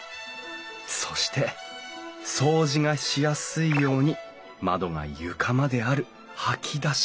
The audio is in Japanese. そして掃除がしやすいように窓が床まである掃き出し